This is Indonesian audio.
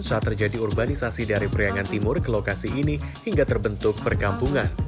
saat terjadi urbanisasi dari periangan timur ke lokasi ini hingga terbentuk perkampungan